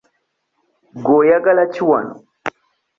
Gwe oyagala ki wano?